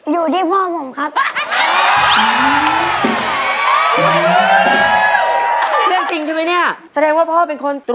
อยู่ที่พ่อผมครับ